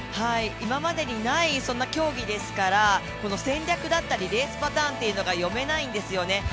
今までにない競技ですから戦略だったり、レースパターンっていうのが読めないんですよね。